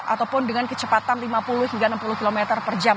ataupun dengan kecepatan lima puluh hingga enam puluh km per jam